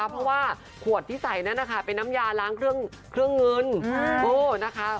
เพราะว่าขวดที่ใส่นั้นนะคะเป็นน้ำยาล้างเครื่องเงินนะคะ